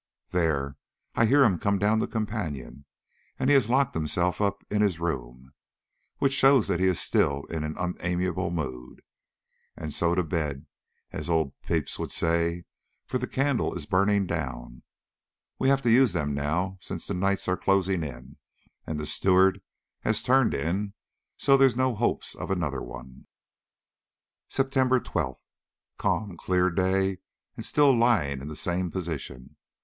There, I hear him come down the companion, and he has locked himself up in his room, which shows that he is still in an unamiable mood. And so to bed, as old Pepys would say, for the candle is burning down (we have to use them now since the nights are closing in), and the steward has turned in, so there are no hopes of another one. September 12th. Calm, clear day, and still lying in the same position.